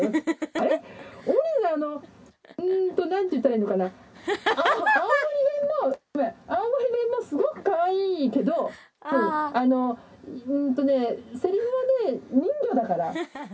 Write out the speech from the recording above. あれ、王林さん、うーんと、なんて言ったらいいのかな、青森弁も、青森弁もすごくかわいいけど、あの、うーんとね、せりふはね、人魚だから。